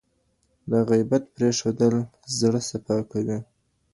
د غیبت پرېښودل زړه صفا کوي.